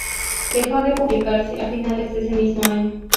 Dejó de publicarse a finales de ese mismo año.